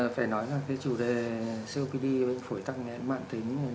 phải nói là cái chủ đề copd bệnh phổi tăng nét mạng tính